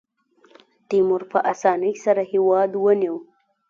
تیمور په اسانۍ سره هېواد ونیو.